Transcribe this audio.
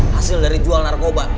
hasil dari jual narkoba